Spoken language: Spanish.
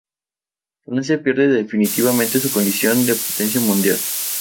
Francia pierde definitivamente su condición de potencia mundial.